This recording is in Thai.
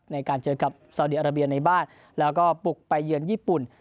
ในการเจอกับสาวดีอาราเบียในบ้านแล้วก็ปลุกไปเยือนญี่ปุ่น